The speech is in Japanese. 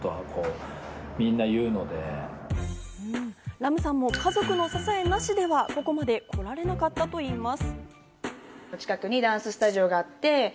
ＲＡＭさんも家族の支えなしではここまで来られなかったといいます。